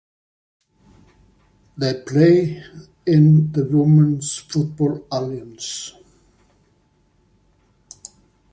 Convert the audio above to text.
They play in the Women's Football Alliance.